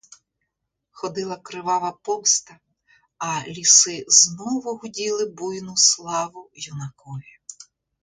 Ходила кривава помста, а ліси знову гуділи буйну славу юнакові.